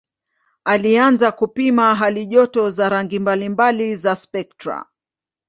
Alianza kupima halijoto za rangi mbalimbali za spektra.